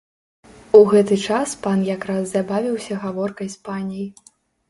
У гэты час пан якраз забавіўся гаворкай з паняй.